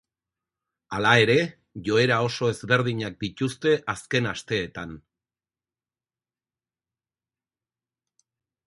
Hala ere, joera oso ezberdinak dituzte azken asteetan.